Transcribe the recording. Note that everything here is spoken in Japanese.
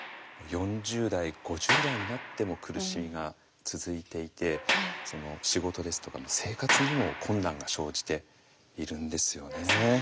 ４０代５０代になっても苦しみが続いていて仕事ですとか生活にも困難が生じているんですよね。